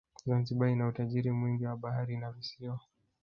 zanzibar ina utajiri mwingi wa bahari na visiwa